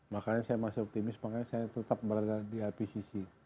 makanya saya masih optimis makanya saya tetap berada di ipcc